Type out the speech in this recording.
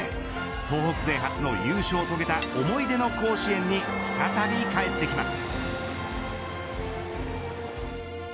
東北前初の優勝を遂げた思い出の甲子園に再び帰ってきます。